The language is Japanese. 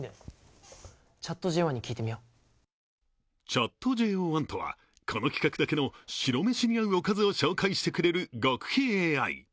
Ｃｈａｔ−ＪＯ１とは、この企画だけの白飯に合うおかずを紹介してくれる極秘ＡＩ。